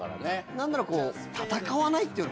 なんなら戦わないっていうのかな。